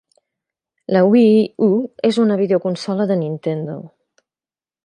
La Wii U és una videoconsola de Nintendo.